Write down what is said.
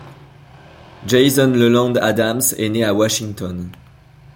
Jason Leland Adams est né à Washington.